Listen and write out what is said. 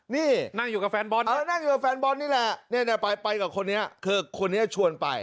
นี่นั่งอยู่กับแฟนบอลนี่แหละไปกับคนนี้ฮะคนนี้จะชวนไป